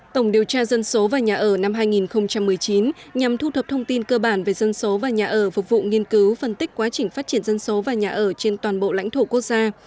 tổng điều tra dân số và nhà ở năm hai nghìn một mươi chín nhằm thu thập thông tin cơ bản về dân số và nhà ở phục vụ nghiên cứu phân tích quá trình phát triển dân số và nhà ở trên toàn bộ lãnh thổ quốc gia